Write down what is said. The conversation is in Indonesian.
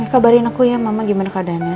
kabarin aku ya mama gimana keadaannya